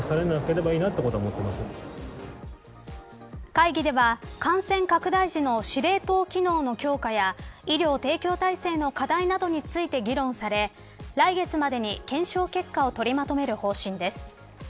会議では感染拡大時の司令塔機能の強化や医療提供体制の課題などについて議論され来月までに検証結果を取りまとめる方針です。